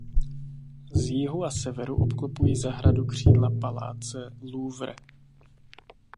Z jihu a severu obklopují zahradu křídla paláce Louvre.